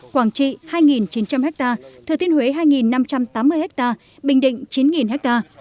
quảng trị hai chín trăm linh ha thừa thiên huế hai năm trăm tám mươi ha bình định chín ha